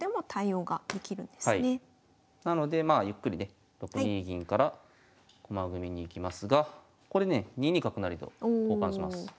なのでまあゆっくりね６二銀から駒組みにいきますがこれね２二角成とおお。